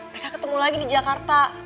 mereka ketemu lagi di jakarta